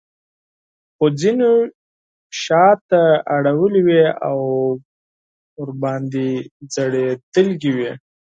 خو ځینو شاته اړولې وې او پرې ځړېدلې وې.